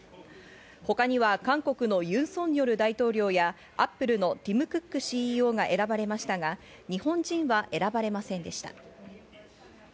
他には韓国のユン・ソンニョル大統領や、アップルのティム・クックＣＥＯが選ばれましたが、日本人は選ばれませんでした。